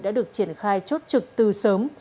đã được triển khai chốt trực từ sớm